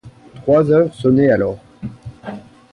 Trois heures sonnaient alors.